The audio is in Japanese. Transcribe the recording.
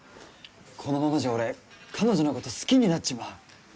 このままじゃ俺彼女のこと好きになっちまう。